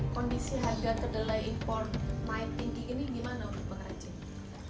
kondisi harga kedelai impor naik tinggi ini gimana untuk pengrajin